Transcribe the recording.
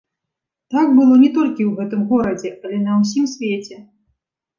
Так было не толькі ў гэтым горадзе, але на ўсім свеце.